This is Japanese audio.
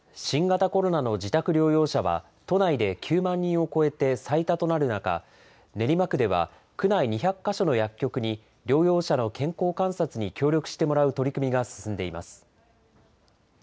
新型コロナの自宅療養者は、都内で９万人を超えて最多となる中、練馬区では区内２００か所の薬局に療養者の健康観察に協力してもらう取り組みが進んでいます。